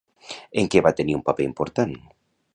En què va tenir un paper important?